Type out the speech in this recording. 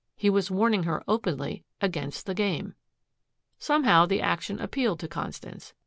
He was warning her openly against the game! Somehow the action appealed to Constance.